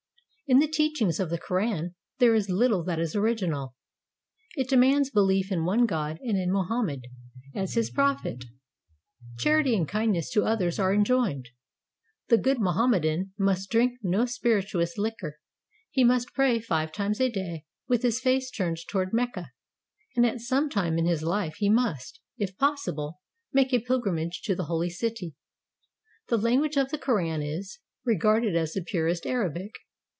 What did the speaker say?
In the teachings of the Koran there is little that is original. It demands belief in one God and in Mohammed as his prophet. Charity and kindness to others are enjoined. The good Mohammedan must drink no spirituous liquor, he must pray five times a day, with his face turned toward Mecca, and at some time in his life he must, if possible, make a pilgrimage to the holy city. The language of the Koran is regarded as the purest Arabic.